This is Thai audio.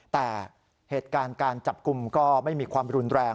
แต่เหตุการณ์การจับกลุ่มก็ไม่มีความรุนแรง